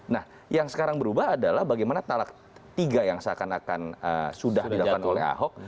nah yang sekarang berubah adalah bagaimana talak tiga yang seakan akan sudah dilakukan oleh ahok